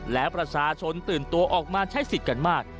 และประชาชนตื่นตัวออกมาใช้สิทธิ์กันมาก